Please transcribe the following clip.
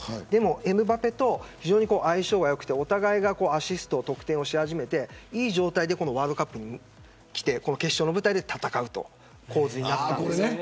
エムバペと相性が良くてお互いがアシストや得点をし始めていい状態でワールドカップにきて決勝の舞台で戦うという構図になったんですよ。